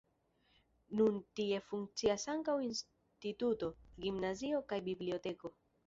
Nun tie funkcias ankaŭ instituto, gimnazio kaj biblioteko.